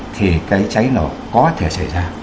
thì cái cháy nó có thể xảy ra